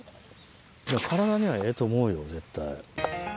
体にはええと思うよ絶対。